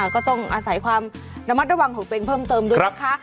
ก็ต้องอาศัยความระมัดระวังของตัวเองเพิ่มเติมด้วยนะคะ